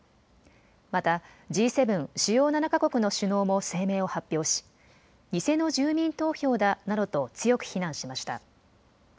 またＧ７・主要７か国の首脳も声明を発表し、偽の住民投票だなどと強く非難しました。